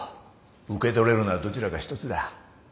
受け取れるのはどちらか一つだ。